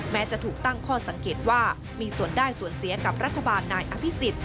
แม้จะถูกตั้งข้อสังเกตว่ามีส่วนได้ส่วนเสียกับรัฐบาลนายอภิษฎ